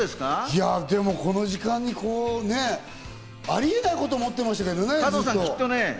でもこの時間に、ありえないと思ってましたけどね、ずっと。